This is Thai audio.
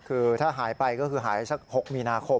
คือถ้าหายไปก็คือหายสัก๖มีนาคม